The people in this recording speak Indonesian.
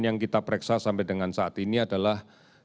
yang kita pereksa sampai dengan saat ini adalah